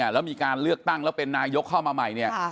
แล้วมีการเลือกตั้งแล้วเป็นนายกเข้ามาใหม่เนี่ย